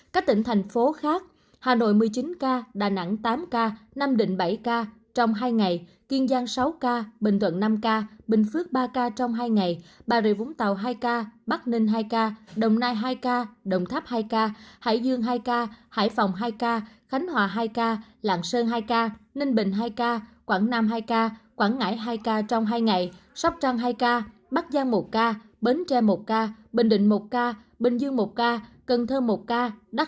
các tỉnh thành phố khác hà nội một mươi chín ca đà nẵng tám ca nam định bảy ca trong hai ngày kiên giang sáu ca bình thuận năm ca bình phước ba ca trong hai ngày bà rịa vũng tàu hai ca bắc ninh hai ca đồng nai hai ca đồng tháp hai ca hải dương hai ca hải phòng hai ca khánh hòa hai ca lạng sơn hai ca ninh bình hai ca quảng nam hai ca quảng ngãi hai ca trong hai ngày sóc trăng hai ca bắc giang một ca bến tre một ca bình định một ca bình dương một ca cần thơ một ca đà nẵng hai ca đà nẵng hai ca đà nẵng